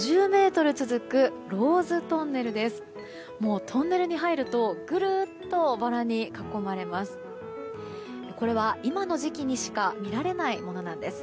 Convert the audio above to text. トンネルに入るとぐるっとバラに囲まれます。